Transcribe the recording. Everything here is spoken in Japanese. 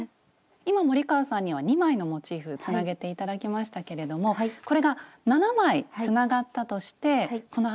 今森川さんには２枚のモチーフつなげて頂きましたけれどもこれが７枚つながったとしてこのあとはどうなるんでしょうか？